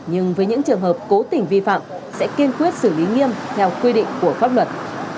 nhưng với những trường hợp cố tình vi phạm sẽ kiên quyết xử lý nghiêm theo quy định của pháp luật